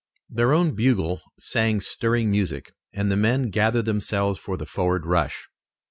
Their own bugle sang stirring music, and the men gathered themselves for the forward rush.